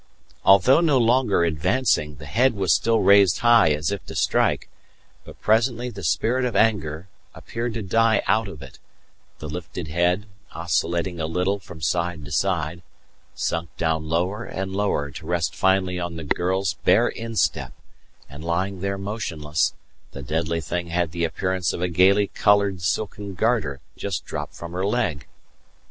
Although no longer advancing, the head was still raised high as if to strike; but presently the spirit of anger appeared to die out of it; the lifted head, oscillating a little from side to side, sunk down lower and lower to rest finally on the girl's bare instep; and lying there motionless, the deadly thing had the appearance of a gaily coloured silken garter just dropped from her leg.